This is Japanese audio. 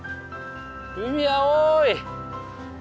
海青い。